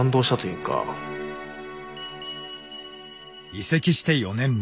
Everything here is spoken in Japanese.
移籍して４年目。